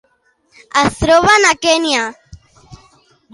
Es troben a Kenya.